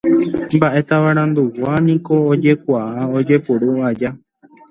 Mbaʼe tavarandugua niko ojekuaa ojepuru aja.